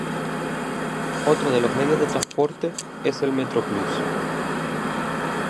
Otro de los medios de transporte es el Metroplús.